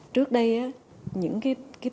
trước đây á những cái tiền